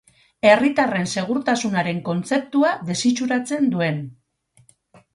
Herritarren segurtasunaren kontzeptua desitxuratzen duen.